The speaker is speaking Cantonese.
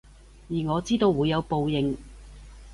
而我知道會有報應